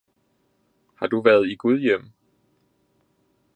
Har du været i Gudhjem